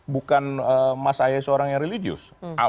bukan mas ahy seorang yang religius